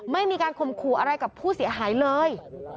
ไม่มีการข่มขู่อะไรกับผู้เสียหายเลย